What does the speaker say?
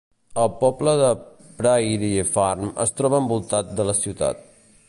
El poble de Prairie Farm es troba envoltat de la ciutat.